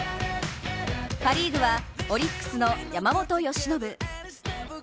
パ・リーグはオリックスの山本由伸。